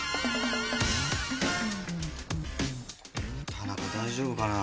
田中大丈夫かな。